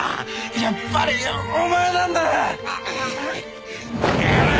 やっぱりお前なんだな！